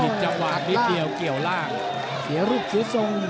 จังหวะนิดเดียวเกี่ยวล่างเสียรูปเสียทรง